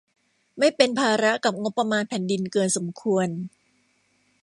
ไม่เป็นภาระกับงบประมาณแผ่นดินเกินสมควร